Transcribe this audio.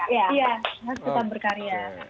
iya tetap berkarya